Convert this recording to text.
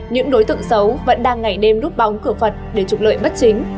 những đối tượng xấu vẫn đang ngày đêm núp bóng cửa phật để trục lợi bất chính